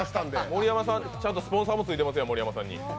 盛山さんに、ちゃんとスポンサーもついてますやん。